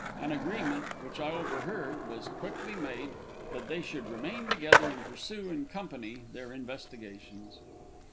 An agreement, which I overheard, was quickly made, that they should remain together, and pursue, in company, their investigations.